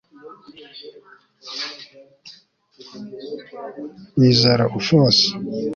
wizera ufos